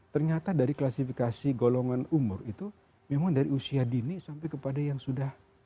ternyata dari klasifikasi golongan umur itu memang dari usia dini sampai kepada yang sudah